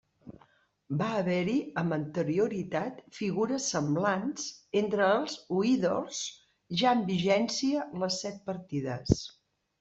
Va haver-hi amb anterioritat figures semblants entre els oïdors ja en vigència les Set Partides.